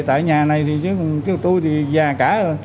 tại nhà này thì chứ tôi thì già cả